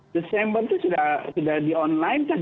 desember itu sudah di online kan